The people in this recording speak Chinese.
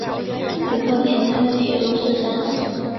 五反田站的铁路车站。